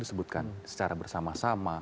disebutkan secara bersama sama